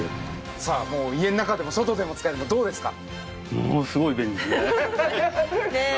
もう家ん中でも外でも使えるのどうですか？